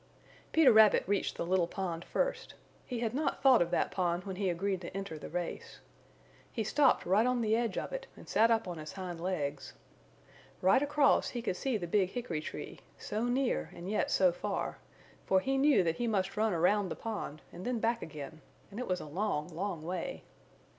Peter Rabbit reached the little pond first. He had not thought of that pond when he agreed to enter the race. He stopped right on the edge of it and sat up on his hind legs. Right across he could see the big hickory tree, so near and yet so far, for he knew that he must run around the pond then back again, and it was a long, long way.